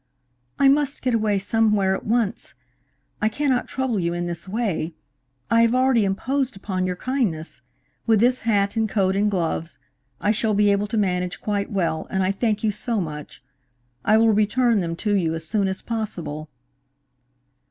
"I must get away somewhere at once. I cannot trouble you in this way. I have already imposed upon your kindness. With this hat and coat and gloves, I shall be able to manage quite well, and I thank you so much! I will return them to you as soon as possible."